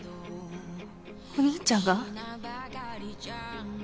お兄ちゃんが？